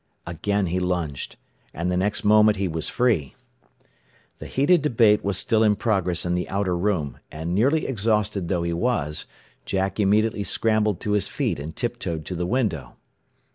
Again he lunged, and the next moment he was free. The heated debate was still in progress in the outer room, and nearly exhausted though he was, Jack immediately scrambled to his feet and tiptoed to the window.